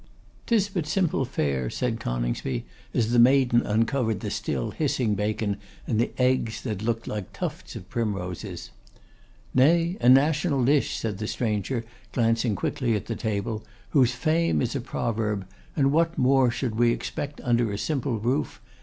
''Tis but simple fare,' said Coningsby, as the maiden uncovered the still hissing bacon and the eggs, that looked like tufts of primroses. 'Nay, a national dish,' said the stranger, glancing quickly at the table, 'whose fame is a proverb. And what more should we expect under a simple roof!